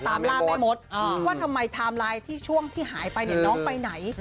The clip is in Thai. ตามล่าแม่มดว่าทำไมไทม์ไลน์ที่ช่วงที่หายไปเนี่ยน้องไปไหน